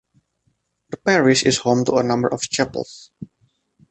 The parish is home to a number of Chapels.